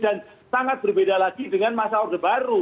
dan sangat berbeda lagi dengan masa orde baru